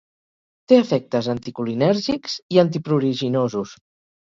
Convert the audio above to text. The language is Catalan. Té efectes anticolinèrgics i antipruriginosos.